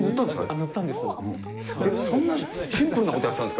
塗ったんです。